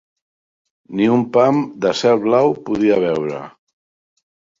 Ni un pam de cel blau podia veure